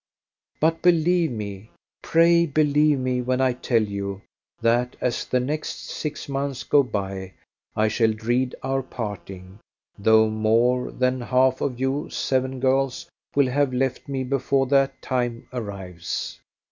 But believe me, pray believe me when I tell you, that as the next six months go by I shall dread our parting, though more than half of you seven girls will have left me before that time arrives.